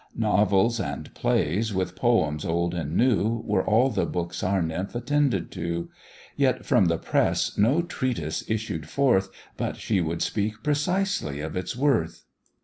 Novels and plays, with poems old and new, Were all the books our nymph attended to; Yet from the press no treatise issued forth, But she would speak precisely of its worth.